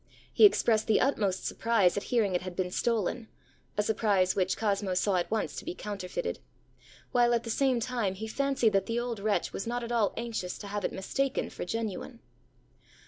He expressed the utmost surprise at hearing it had been stolen, a surprise which Cosmo saw at once to be counterfeited; while, at the same time, he fancied that the old wretch was not at all anxious to have it mistaken for genuine.